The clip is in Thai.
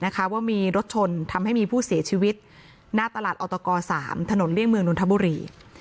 ว่ามีรถชนทำให้มีผู้เสียชีวิตหน้าตลาดออตก๓ถนนเลี่ยงเมืองนทบุรี